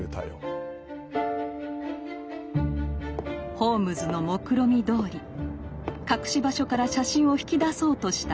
ホームズのもくろみどおり隠し場所から写真を引き出そうとしたアイリーン。